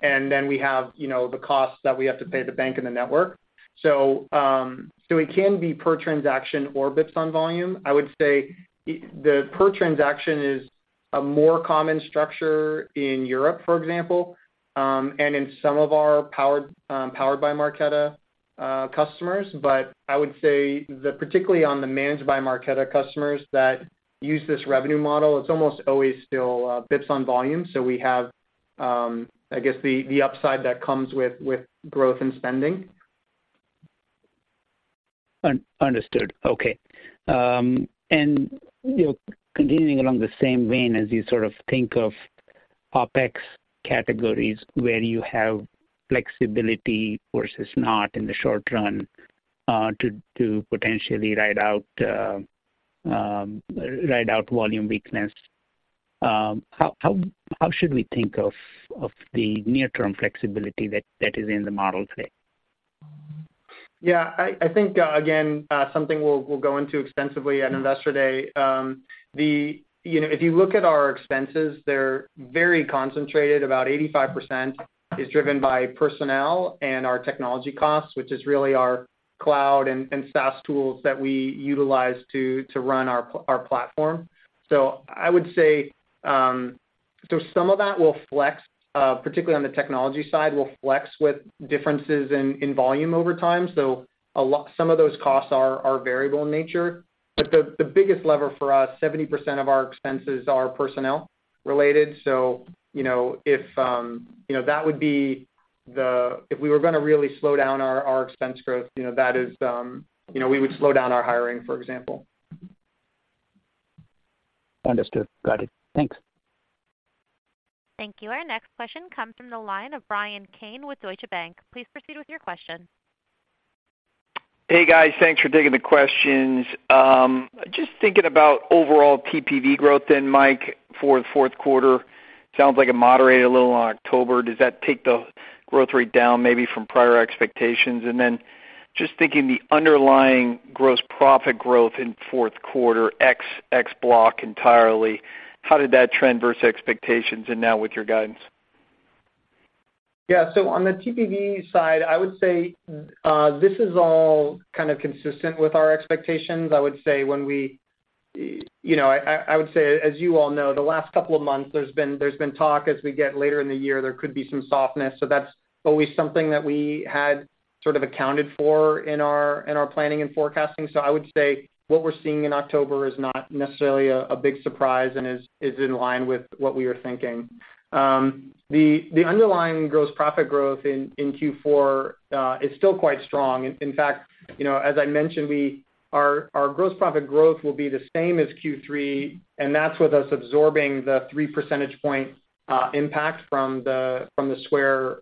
then we have, you know, the costs that we have to pay the bank and the network. So, so it can be per transaction or bps on volume. I would say, the per transaction is a more common structure in Europe, for example, and in some of our Powered by Marqeta customers. But I would say that particularly on the Managed by Marqeta customers that use this revenue model, it's almost always still bps on volume. So we have, I guess, the upside that comes with growth and spending. Understood. Okay. And, you know, continuing along the same vein as you sort of think of OpEx categories, where you have flexibility versus not in the short run, to potentially ride out volume weakness, how should we think of the near-term flexibility that is in the model today? Yeah, I think, again, something we'll go into extensively at Investor Day. You know, if you look at our expenses, they're very concentrated. About 85% is driven by personnel and our technology costs, which is really our cloud and SaaS tools that we utilize to run our platform. So I would say, so some of that will flex, particularly on the technology side, will flex with differences in volume over time. So some of those costs are variable in nature. But the biggest lever for us, 70% of our expenses are personnel related. So, you know, if you know, that would be the... If we were gonna really slow down our expense growth, you know, that is, you know, we would slow down our hiring, for example. Understood. Got it. Thanks. Thank you. Our next question comes from the line of Bryan Keane with Deutsche Bank. Please proceed with your question. Hey, guys. Thanks for taking the questions. Just thinking about overall TPV growth, then, Mike, for the Q4. Sounds like it moderated a little on October. Does that take the growth rate down maybe from prior expectations? And then just thinking the underlying gross profit growth in Q4, ex-Block entirely, how did that trend versus expectations and now with your guidance? Yeah. So on the TPV side, I would say this is all kind of consistent with our expectations. I would say, you know, as you all know, the last couple of months, there's been talk as we get later in the year, there could be some softness. So that's always something that we had sort of accounted for in our planning and forecasting. So I would say what we're seeing in October is not necessarily a big surprise and is in line with what we were thinking. The underlying gross profit growth in Q4 is still quite strong. In fact, you know, as I mentioned, our gross profit growth will be the same as Q3, and that's with us absorbing the 3 percentage point impact from the Square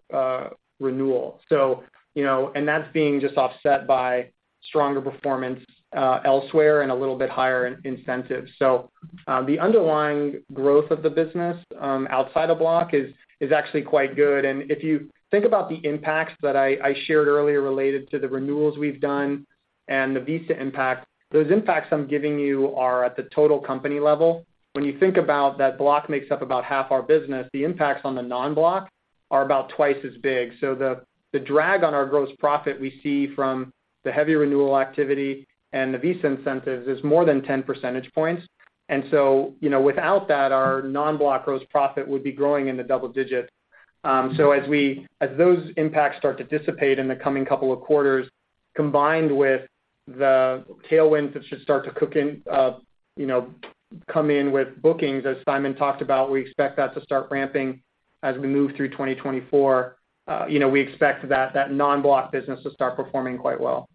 renewal. So, you know, and that's being just offset by stronger performance elsewhere and a little bit higher in incentives. So, the underlying growth of the business outside of Block is actually quite good. And if you think about the impacts that I shared earlier related to the renewals we've done and the Visa impact, those impacts I'm giving you are at the total company level. When you think about that Block makes up about half our business, the impacts on the non-Block are about twice as big. So the drag on our gross profit we see from the heavy renewal activity and the Visa incentives is more than 10 percentage points. And so, you know, without that, our non-Block gross profit would be growing in the double digits. So as those impacts start to dissipate in the coming couple of quarters, combined with the tailwinds that should start to kick in, you know, come in with bookings, as Simon talked about, we expect that to start ramping as we move through 2024. You know, we expect that non-Block business to start performing quite well.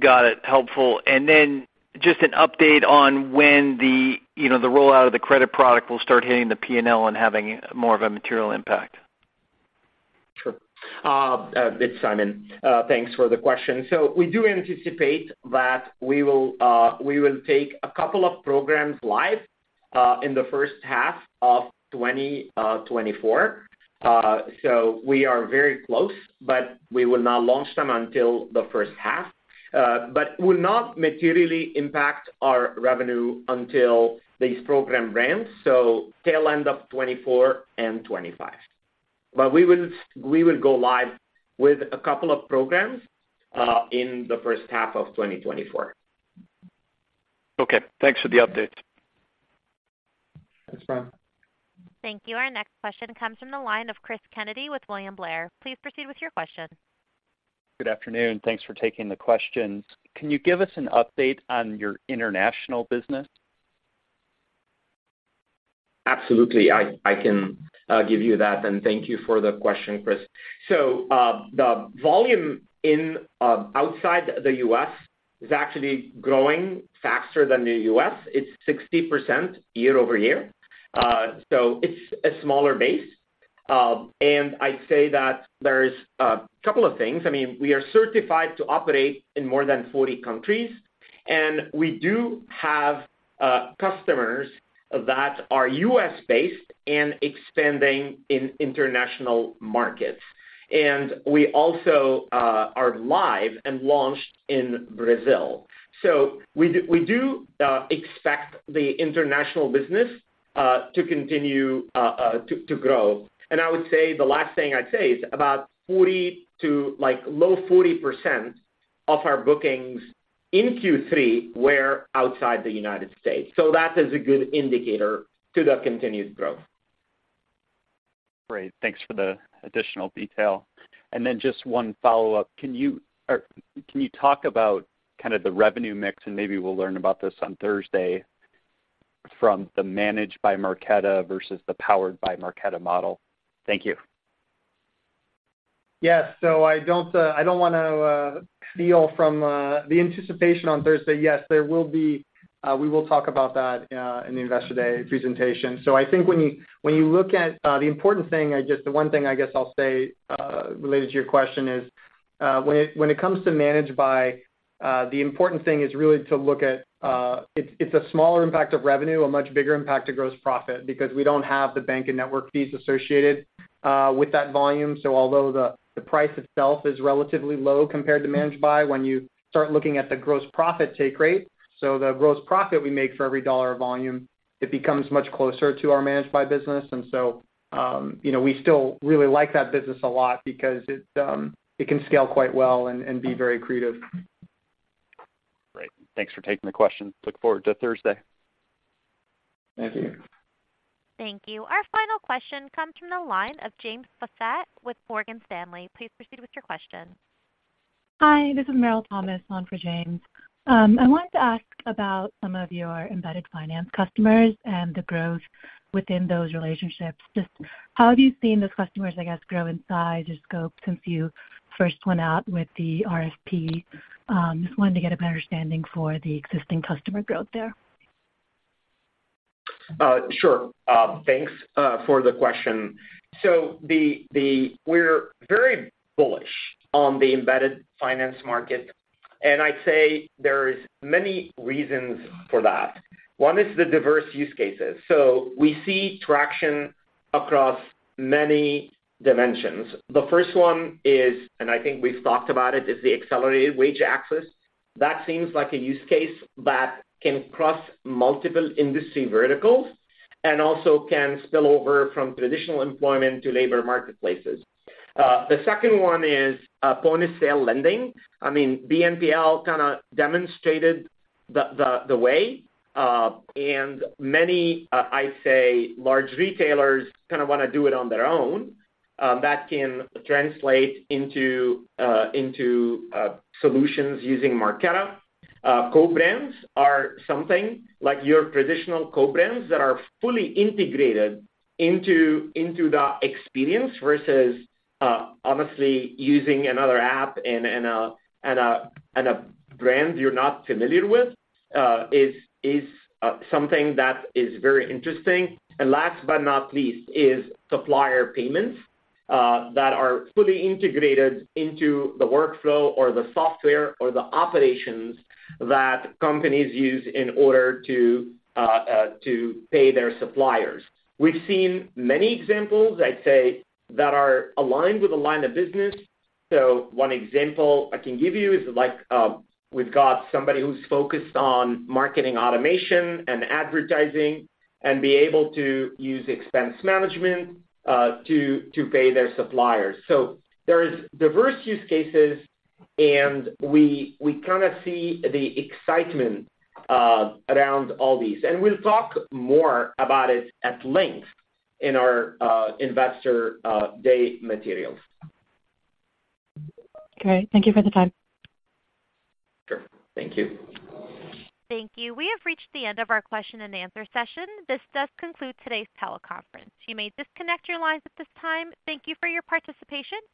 Got it. Helpful. And then just an update on when the, you know, the rollout of the credit product will start hitting the P&L and having more of a material impact? Sure. It's Simon. Thanks for the question. So we do anticipate that we will take a couple of programs live in the H1 2024. So we are very close, but we will not launch them until the H1. But will not materially impact our revenue until these program ramps, so tail end of 2024 and 2025. But we will go live with a couple of programs in the H1 2024. Okay, thanks for the update. Thanks, Bryan. Thank you. Our next question comes from the line of Chris Kennedy with William Blair. Please proceed with your question. Good afternoon. Thanks for taking the questions. Can you give us an update on your international business? Absolutely. I, I can give you that, and thank you for the question, Chris. So, the volume outside the U.S. is actually growing faster than the U.S. It's 60% year-over-year. So it's a smaller base. And I'd say that there's a couple of things. I mean, we are certified to operate in more than 40 countries, and we do have customers that are U.S.-based and expanding in international markets. And we also are live and launched in Brazil. So we do, we do expect the international business to continue to grow. And I would say the last thing I'd say is about 40 to, like, low 40% of our bookings in Q3 were outside the United States, so that is a good indicator to the continued growth. Great. Thanks for the additional detail. And then just one follow-up. Can you, or can you talk about kind of the revenue mix, and maybe we'll learn about this on Thursday, from the Managed by Marqeta versus the Powered by Marqeta model? Thank you. Yes. So I don't wanna steal from the anticipation on Thursday. Yes, there will be, we will talk about that in the Investor Day presentation. So I think when you look at the important thing, I just—the one thing I guess I'll say related to your question is, when it comes to managed by, the important thing is really to look at, it's a smaller impact of revenue, a much bigger impact to gross profit, because we don't have the bank and network fees associated with that volume. So although the price itself is relatively low compared to managed by, when you start looking at the gross profit take rate, so the gross profit we make for every dollar of volume, it becomes much closer to our managed by business. So, you know, we still really like that business a lot because it can scale quite well and be very accretive. Great. Thanks for taking the question. Look forward to Thursday. Thank you. Thank you. Our final question comes from the line of James Faucette with Morgan Stanley. Please proceed with your question. Hi, this is Meryl Thomas on for James. I wanted to ask about some of your embedded finance customers and the growth within those relationships. Just how have you seen those customers, I guess, grow in size or scope since you first went out with the RFP? Just wanted to get a better understanding for the existing customer growth there. Sure. Thanks for the question. So we're very bullish on the embedded finance market, and I'd say there is many reasons for that. One is the diverse use cases. So we see traction across many dimensions. The first one is, and I think we've talked about it, is the accelerated wage access. That seems like a use case that can cross multiple industry verticals and also can spill over from traditional employment to labor marketplaces. The second one is point-of-sale lending. I mean, BNPL kind of demonstrated the way, and many, I'd say, large retailers kind of wanna do it on their own. That can translate into solutions using Marqeta. Co-brands are something like your traditional co-brands that are fully integrated into the experience versus obviously using another app and a brand you're not familiar with is something that is very interesting. And last but not least, is supplier payments that are fully integrated into the workflow or the software or the operations that companies use in order to pay their suppliers. We've seen many examples, I'd say, that are aligned with the line of business. So one example I can give you is, like, we've got somebody who's focused on marketing automation and advertising and be able to use expense management to pay their suppliers. So there is diverse use cases, and we kind of see the excitement around all these. We'll talk more about it at length in our investor day materials. Great. Thank you for the time. Sure. Thank you. Thank you. We have reached the end of our question and answer session. This does conclude today's teleconference. You may disconnect your lines at this time. Thank you for your participation.